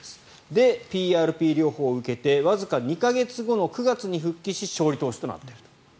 で、ＰＲＰ療法を受けてわずか２か月後の９月に復帰し勝利投手となっていると。